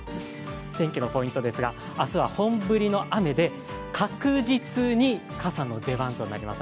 天気のポイントですが、明日は本降りの雨で確実に傘の出番となります。